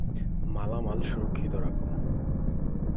মালামাল সুরক্ষিত রাখো।